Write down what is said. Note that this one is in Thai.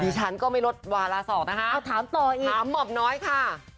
ดิฉันก็ไม่รดวาระสอบนะคะ